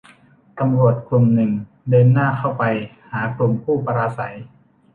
ตำรวจกลุ่มหนึ่งเดินหน้าเข้าไปหากลุ่มผู้ปราศรัย